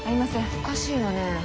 おかしいわね